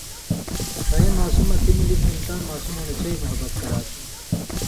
ݜَیں ماسمہ تی ملیۡ تیں تاں ماسمؤں نہ چئ محبت کراتھو